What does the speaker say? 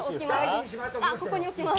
ここに置きます。